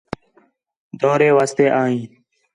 دورے واسطے آ ہیں